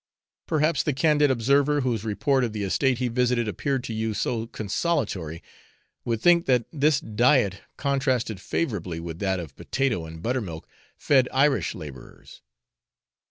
Perhaps the candid observer, whose report of the estate he visited appeared to you so consolatory, would think that this diet contrasted favourably with that of potato and butter milk fed Irish labourers.